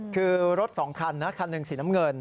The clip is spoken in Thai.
คือรถสองคันนะคันหนึ่งสีน้ำเงิน